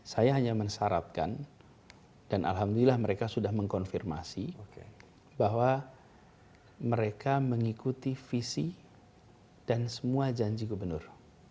saya hanya mensyaratkan dan alhamdulillah mereka sudah mengkonfirmasi bahwa mereka mengikuti visi dan semua janji gubernur